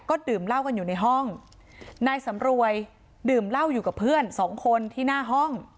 ก็ดื่มเหล้ากันอยู่ในห้องนายสำรวยดื่มเหล้าอยู่กับเพื่อนสองคนที่หน้าห้อง